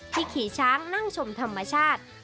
ขี่ช้างนั่งชมธรรมชาติ